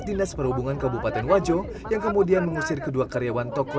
dinas perhubungan kabupaten wajo yang kemudian mengusir kedua karyawan toko